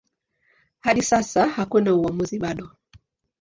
Hadi sasa hakuna uamuzi bado.